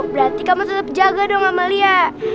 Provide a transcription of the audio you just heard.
berarti kamu tetap jaga dong amalia